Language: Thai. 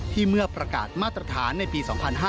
เมื่อประกาศมาตรฐานในปี๒๕๕๙